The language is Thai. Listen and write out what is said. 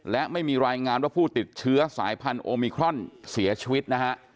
และไม่มีรายงานว่าผู้ติดเชื้อสายพันธุมิครอนเสียชีวิตนะฮะ